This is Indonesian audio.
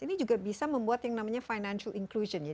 ini juga bisa membuat yang namanya financial inclusion ya